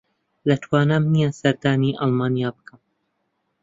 لە توانام نییە سەردانی ئەڵمانیا بکەم.